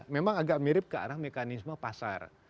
memang agak mirip ke arah mekanisme pasar